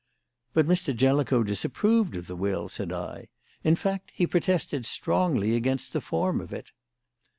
"But Mr. Jellicoe disapproved of the will," said I; "in fact, he protested strongly against the form of it."